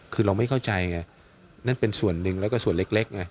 คือเราไม่เข้าใจไงนั่นเป็นส่วนหนึ่งแล้วก็ส่วนเล็กไง